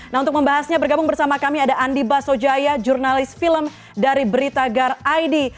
nah untuk membahasnya bergabung bersama kami ada andi basojaya jurnalis film dari berita gar id